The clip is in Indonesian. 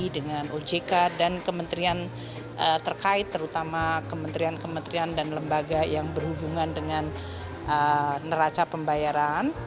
dengan ojk dan kementerian terkait terutama kementerian kementerian dan lembaga yang berhubungan dengan neraca pembayaran